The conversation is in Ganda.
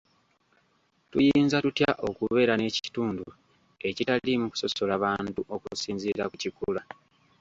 Tuyinza tutya okubeera n'ekitundu ekitaliimu kusosola bantu okusinziira ku kikula?